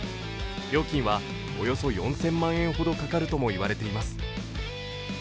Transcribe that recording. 料金はおよそ４０００万円ほどかかるとも言われています。